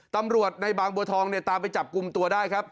ตำรวจในบางบัวทองเนี่ยตามไปจับกลุ่มตัวได้ครับ